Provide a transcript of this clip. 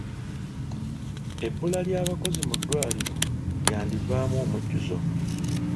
Ebbula ly'abakozi mu ddwaliro lyandivaamu omujjuzo.